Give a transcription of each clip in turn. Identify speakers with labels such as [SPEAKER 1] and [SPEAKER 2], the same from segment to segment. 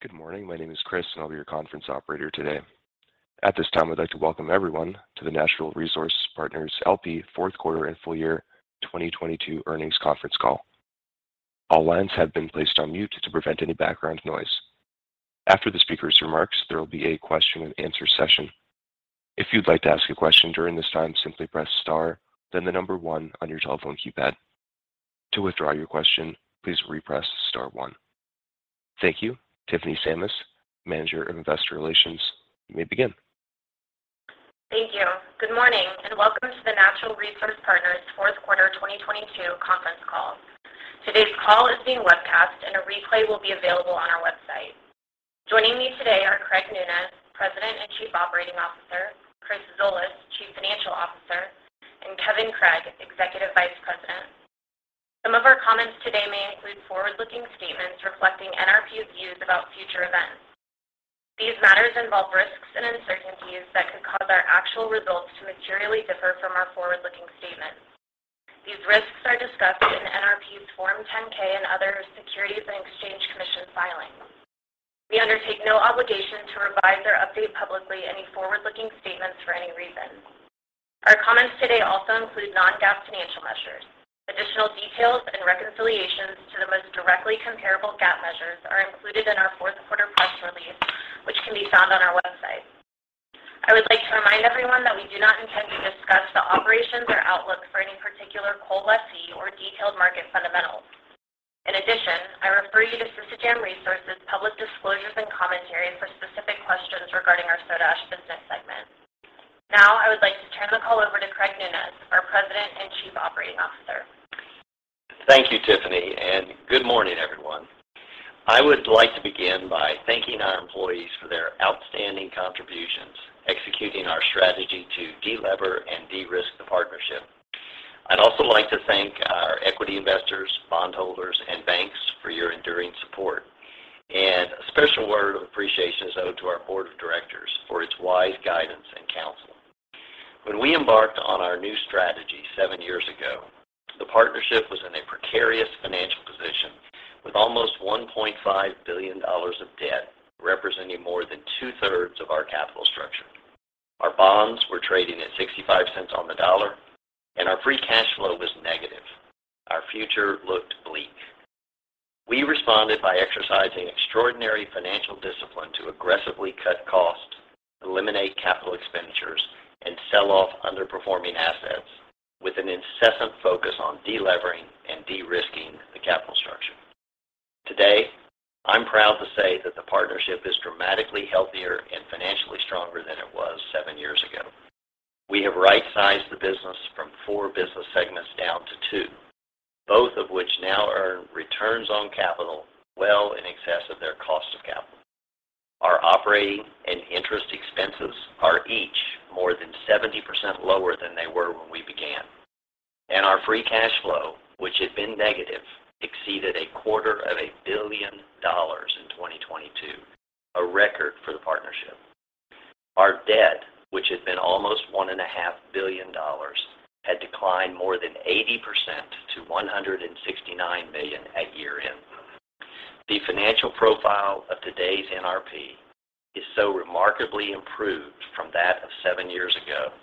[SPEAKER 1] Good morning. My name is Chris, and I'll be your conference operator today. At this time, I'd like to welcome everyone to the Natural Resource Partners LP. Fourth Quarter and Full Year 2022 earnings conference call. All lines have been placed on mute to prevent any background noise. After the speaker's remarks, there will be a question-and-answer session. If you'd like to ask a question during this time, simply press Star, then the number one on your telephone keypad. To withdraw your question, please re-press Star one. Thank you. Tiffany Sammis, Manager of Investor Relations. You may begin.
[SPEAKER 2] Thank you. Good morning, welcome to the Natural Resource Partners L.P. Fourth Quarter 2022 conference call. Today's call is being webcast, a replay will be available on our website. Joining me today are Craig Nunez, President and Chief Operating Officer, Chris Zolas, Chief Financial Officer, and Kevin Craig, Executive Vice President. Some of our comments today may include forward-looking statements reflecting NRP's views about future events. These matters involve risks and uncertainties that could cause our actual results to materially differ from our forward-looking statements. These risks are discussed in NRP's Form 10-K and other Securities and Exchange Commission filings. We undertake no obligation to revise or update publicly any forward-looking statements for any reason. Our comments today also include non-GAAP financial measures. Additional details and reconciliations to the most directly comparable GAAP measures are included in our fourth quarter press release, which can be found on our website. I would like to remind everyone that we do not intend to discuss the operations or outlook for any particular coal lessee or detailed market fundamentals. I refer you to Sisecam Resources LP public disclosures and commentary for specific questions regarding our Soda Ash segment. I would like to turn the call over to Craig Nunez, our President and Chief Operating Officer.
[SPEAKER 3] Thank you, Tiffany. Good morning, everyone. I would like to begin by thanking our employees for their outstanding contributions, executing our strategy to delever and de-risk the partnership. I'd also like to thank our equity investors, bondholders, and banks for your enduring support. A special word of appreciation is owed to our board of directors for its wise guidance and counsel. When we embarked on our new strategy seven years ago, the partnership was in a precarious financial position with almost $1.5 billion of debt, representing more than two-thirds of our capital structure. Our bonds were trading at $0.65 on the dollar. Our free cash flow was negative. Our future looked bleak. We responded by exercising extraordinary financial discipline to aggressively cut costs, eliminate capital expenditures, and sell off underperforming assets with an incessant focus on delevering and de-risking the capital structure. Today, I'm proud to say that the partnership is dramatically healthier and financially stronger than it was seven years ago. We have right-sized the business from four business segments down to two, both of which now earn returns on capital well in excess of their cost of capital. Our operating and interest expenses are each more than 70% lower than they were when we began. Our free cash flow, which had been negative, exceeded a quarter of a billion dollars in 2022, a record for the partnership. Our debt, which had been almost $1.5 billion, had declined more than 80% to $169 million at year-end. The financial profile of today's NRP is so remarkably improved from that of seven years ago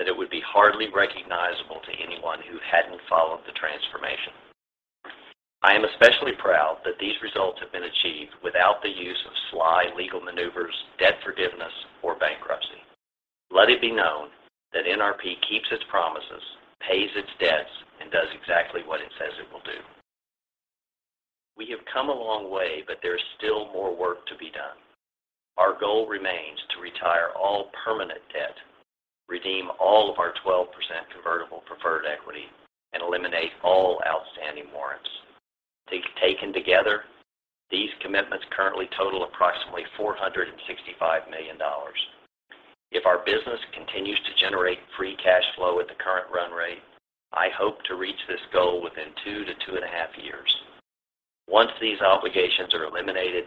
[SPEAKER 3] that it would be hardly recognizable to anyone who hadn't followed the transformation. I am especially proud that these results have been achieved without the use of sly legal maneuvers, debt forgiveness, or bankruptcy. Let it be known that NRP keeps its promises, pays its debts, and does exactly what it says it will do. We have come a long way, but there is still more work to be done. Our goal remains to retire all permanent debt, redeem all of our 12% convertible preferred equity, and eliminate all outstanding warrants. Taken together, these commitments currently total approximately $465 million. If our business continues to generate free cash flow at the current run rate, I hope to reach this goal within 2 to 2.5 years. Once these obligations are eliminated,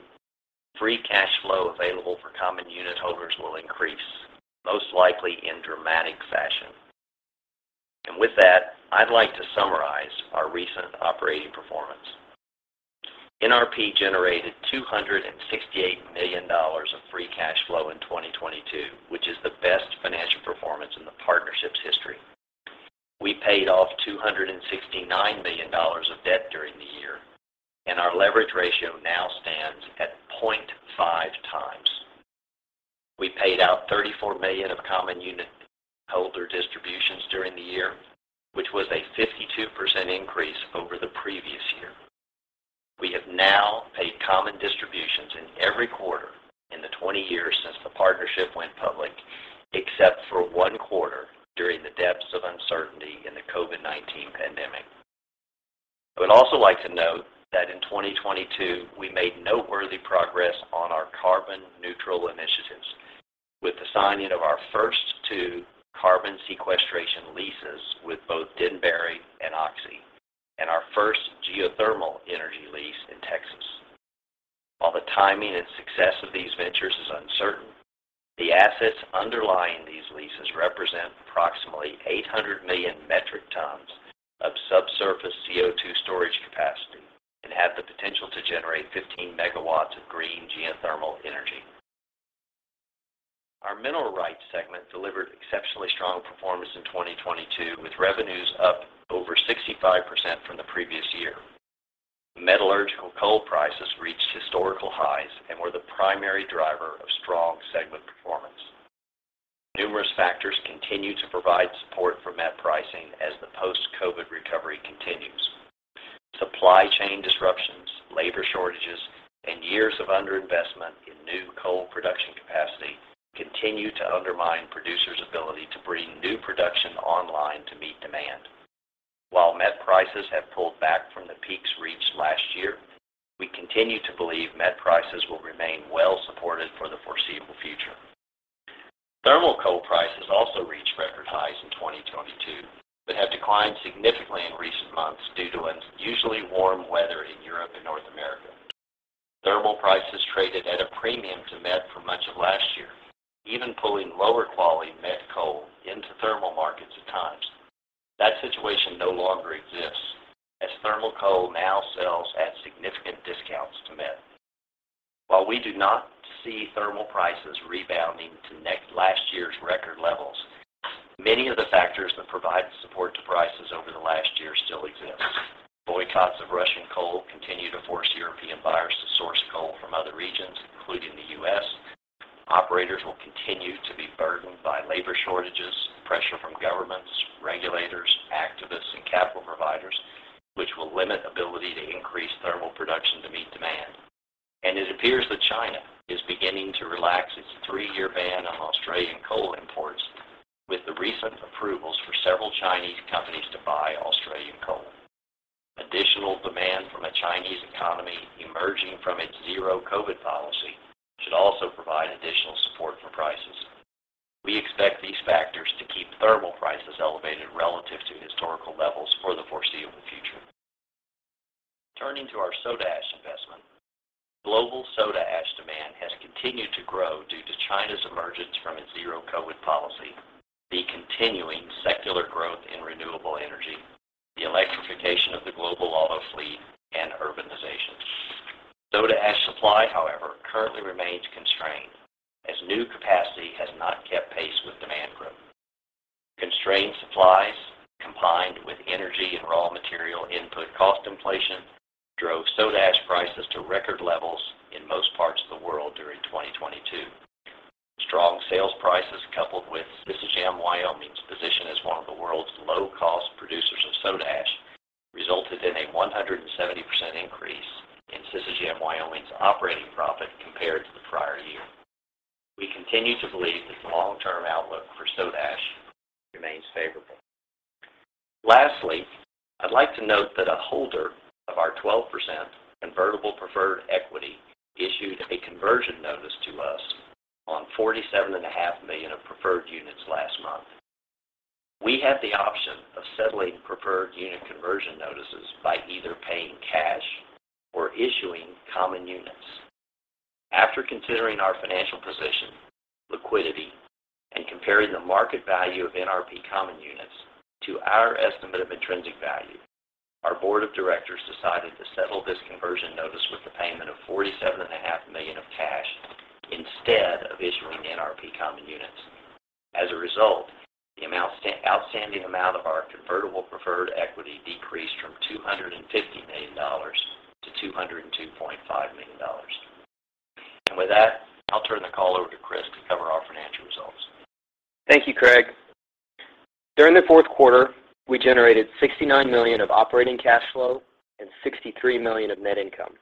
[SPEAKER 3] free cash flow available for common unit holders will increase, most likely in dramatic fashion. With that, I'd like to summarize our recent operating performance. NRP generated $268 million of free cash flow in 2022, which is the best financial performance in the partnership's history. We paid off $269 million of debt during the year, and our leverage ratio now stands at 0.5 times. We paid out $34 million of common unit holder distributions during the year, which was a 52% increase over the previous year. We have now paid common distributions in every quarter in the 20 years since the partnership went public, except for one quarter during the depths of uncertainty in the COVID-19 pandemic. I would also like to note that in 2022, we made noteworthy progress on our carbon neutral initiatives with the signing of our first two carbon sequestration leases with both Denbury and Oxy, and our first geothermal energy lease in Texas. While the timing and success of these ventures is uncertain. The assets underlying these leases represent approximately 800 million metric tons of subsurface CO₂ storage capacity and have the potential to generate 15 megawatts of green geothermal energy. Our Mineral Rights segment delivered exceptionally strong performance in 2022, with revenues up over 65% from the previous year. Metallurgical coal prices reached historical highs and were the primary driver of strong segment performance. Numerous factors continue to provide support for met pricing as the post-COVID recovery continues. Supply chain disruptions, labor shortages, and years of underinvestment in new coal production capacity continue to undermine producers' ability to bring new production online to meet demand. While met prices have pulled back from the peaks reached last year, we continue to believe met prices will remain well supported for the foreseeable future. Thermal coal prices also reached record highs in 2022, have declined significantly in recent months due to unusually warm weather in Europe and North America. Thermal prices traded at a premium to met for much of last year, even pulling lower-quality met coal into thermal markets at times. That situation no longer exists as thermal coal now sells at significant discounts to met. While we do not see thermal prices rebounding to last year's record levels, many of the factors that provided support to prices over the last year still exist. Boycotts of Russian coal continue to force European buyers to source coal from other regions, including the U.S. Operators will continue to be burdened by labor shortages, pressure from governments, regulators, activists, and capital providers, which will limit ability to increase thermal production to meet demand. It appears that China is beginning to relax its 3-year ban on Australian coal imports with the recent approvals for several Chinese companies to buy Australian coal. Additional demand from a Chinese economy emerging from its zero-COVID policy should also provide additional support for prices. We expect these factors to keep thermal prices elevated relative to historical levels for the foreseeable future. Turning to our soda ash investment. Global soda ash demand has continued to grow due to China's emergence from its zero-COVID policy, the continuing secular growth in renewable energy, the electrification of the global auto fleet, and urbanization. Soda ash supply, however, currently remains constrained as new capacity has not kept pace with demand growth. Constrained supplies combined with energy and raw material input cost inflation drove soda ash prices to record levels in most parts of the world during 2022. Strong sales prices coupled with Sisecam Wyoming's position as one of the world's low-cost producers of soda ash resulted in a 170% increase in Sisecam Wyoming's operating profit compared to the prior year. We continue to believe that the long-term outlook for soda ash remains favorable. Lastly, I'd like to note that a holder of our 12% convertible preferred equity issued a conversion notice to us on forty-seven and a half million of preferred units last month. We have the option of settling preferred unit conversion notices by either paying cash or issuing common units. After considering our financial position, liquidity, and comparing the market value of NRP common units to our estimate of intrinsic value, our board of directors decided to settle this conversion notice with the payment of forty-seven and a half million of cash instead of issuing NRP common units. The outstanding amount of our convertible preferred equity decreased from $250 million to $202.5 million. With that, I'll turn the call over to Chris to cover our financial results.
[SPEAKER 4] Thank you, Craig. During the fourth quarter, we generated $69 million of operating cash flow and $63 million of net income.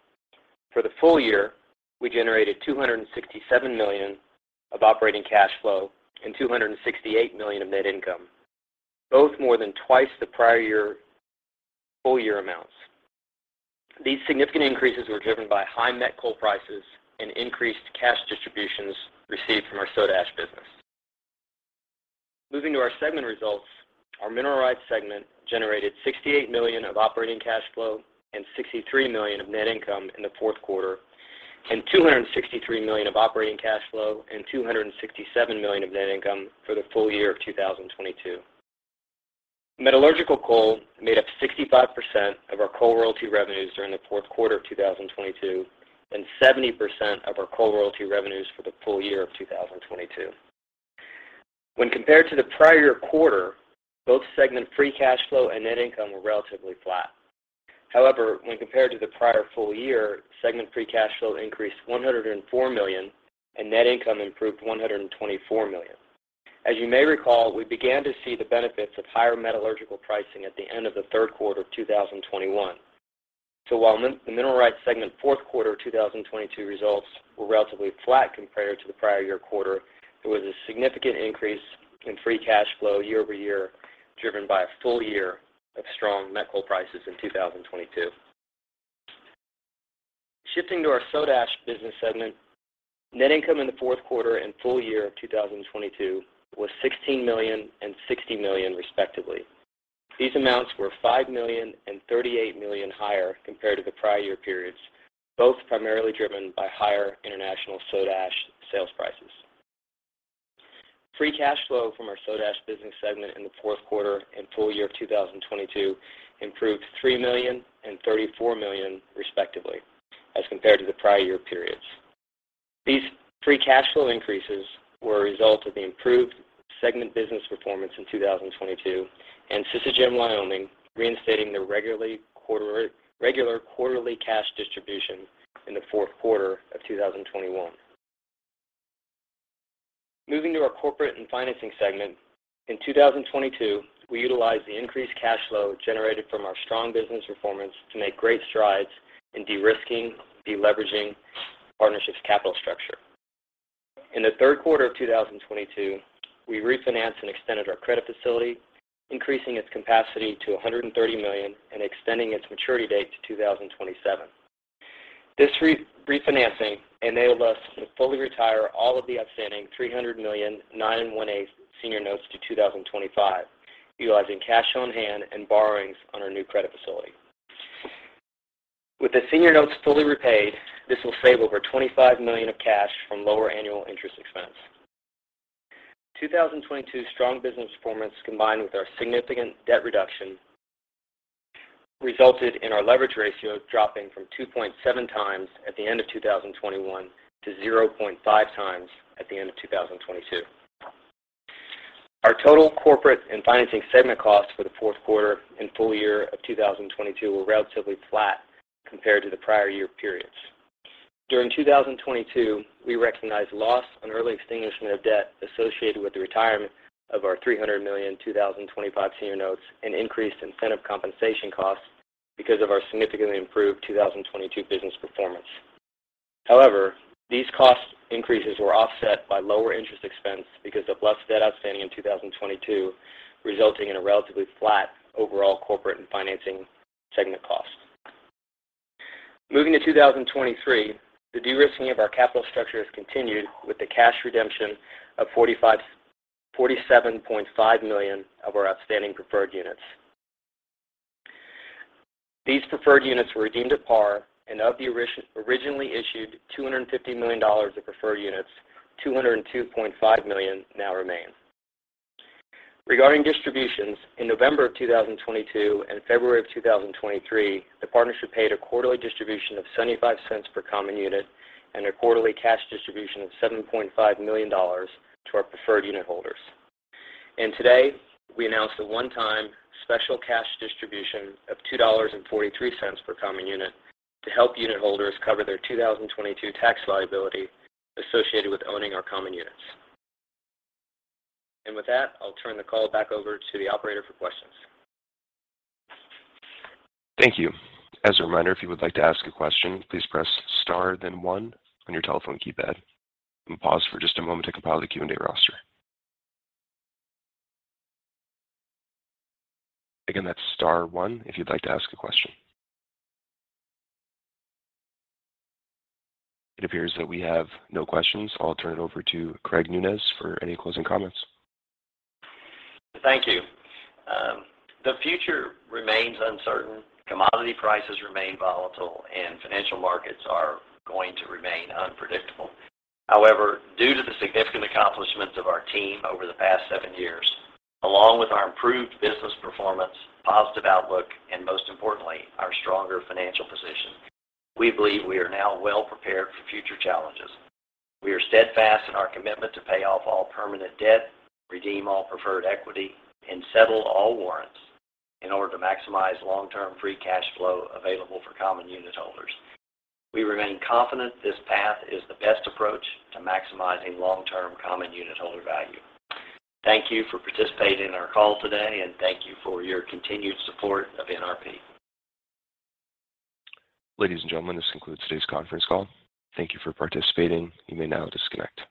[SPEAKER 4] For the full year, we generated $267 million of operating cash flow and $268 million of net income, both more than twice the prior year full-year amounts. These significant increases were driven by high net coal prices and increased cash distributions received from our soda ash business. Moving to our segment results. Our Mineral Rights segment generated $68 million of operating cash flow and $63 million of net income in the fourth quarter, and $263 million of operating cash flow and $267 million of net income for the full year of 2022. Metallurgical coal made up 65% of our coal royalty revenues during the fourth quarter of 2022 and 70% of our coal royalty revenues for the full year of 2022. Compared to the prior quarter, both segment free cash flow and net income were relatively flat. Compared to the prior full year, segment free cash flow increased $104 million and net income improved $124 million. You may recall, we began to see the benefits of higher metallurgical pricing at the end of the third quarter of 2021. While the Mineral Rights segment fourth quarter of 2022 results were relatively flat compared to the prior year quarter, there was a significant increase in free cash flow year-over-year, driven by a full year of strong met coal prices in 2022. Shifting to our Soda Ash business Segment. Net income in the fourth quarter and full year of 2022 was $16 million and $60 million respectively. These amounts were $5 million and $38 million higher compared to the prior year periods, both primarily driven by higher international Soda Ash sales prices. Free cash flow from our Soda Ash business Segment in the fourth quarter and full year of 2022 improved $3 million and $34 million respectively as compared to the prior year periods. These free cash flow increases were a result of the improved segment business performance in 2022 and Sisecam Wyoming reinstating their regular quarterly cash distribution in the fourth quarter of 2021. Moving to our Corporate and Financing segment. In 2022, we utilized the increased cash flow generated from our strong business performance to make great strides in de-risking, de-leveraging partnership's capital structure. In the third quarter of 2022, we refinanced and extended our credit facility, increasing its capacity to $130 million and extending its maturity date to 2027. This re-refinancing enabled us to fully retire all of the outstanding $300 million 9.125% Senior Notes due 2025, utilizing cash on hand and borrowings on our new credit facility. With the Senior Notes fully repaid, this will save over $25 million of cash from lower annual interest expense. 2022's strong business performance, combined with our significant debt reduction, resulted in our leverage ratio dropping from 2.7x at the end of 2021 to 0.5x at the end of 2022. Our total Corporate and Financing segment costs for the fourth quarter and full year of 2022 were relatively flat compared to the prior year periods. During 2022, we recognized loss on early extinguishment of debt associated with the retirement of our $300 million 2025 Senior Notes and increased incentive compensation costs because of our significantly improved 2022 business performance. These cost increases were offset by lower interest expense because of less debt outstanding in 2022, resulting in a relatively flat overall Corporate and Financing segment cost. Moving to 2023, the de-risking of our capital structure has continued with the cash redemption of $47.5 million of our outstanding preferred units. These preferred units were redeemed at par, of the originally issued $250 million of preferred units, $202.5 million now remain. Regarding distributions, in November of 2022 and February of 2023, the partnership paid a quarterly distribution of $0.75 per common unit and a quarterly cash distribution of $7.5 million to our preferred unitholders. Today, we announced a one-time special cash distribution of $2.43 per common unit to help unitholders cover their 2022 tax liability associated with owning our common units. With that, I'll turn the call back over to the operator for questions.
[SPEAKER 1] Thank you. As a reminder, if you would like to ask a question, please press star then one on your telephone keypad. We'll pause for just a moment to compile the Q&A roster. Again, that's star one if you'd like to ask a question. It appears that we have no questions. I'll turn it over to Craig Nunez for any closing comments.
[SPEAKER 4] Thank you. The future remains uncertain. Commodity prices remain volatile, and financial markets are going to remain unpredictable. However, due to the significant accomplishments of our team over the past seven years, along with our improved business performance, positive outlook, and most importantly, our stronger financial position, we believe we are now well prepared for future challenges. We are steadfast in our commitment to pay off all permanent debt, redeem all preferred equity, and settle all warrants in order to maximize long-term free cash flow available for common unitholders. We remain confident this path is the best approach to maximizing long-term common unitholder value. Thank you for participating in our call today, and thank you for your continued support of NRP.
[SPEAKER 1] Ladies and gentlemen, this concludes today's conference call. Thank you for participating. You may now disconnect.